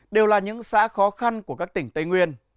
đều là những xã khó khăn của các tỉnh tây nguyên